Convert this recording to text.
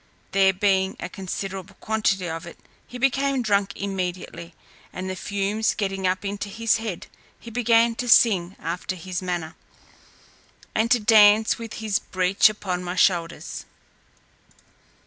There being a considerable quantity of it, he became drunk immediately, and the fumes getting up into his head, he began to sing after his manner, and to dance with his breech upon my shoulders.